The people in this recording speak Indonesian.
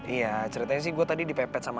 iya ceritanya sih gue tadi dipepet sama